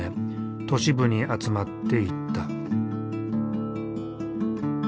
都市部に集まっていった。